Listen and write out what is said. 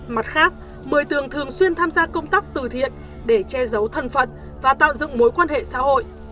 mặt khác mười tường thường xuyên tham gia công tác từ thiện để che giấu thân phận và tạo dựng mối quan hệ xã hội